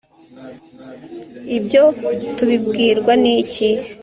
ibyo tubibwirwa n iki